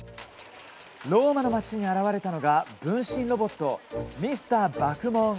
ローマの街に現れたのが分身ロボット「ミスターバクモン」。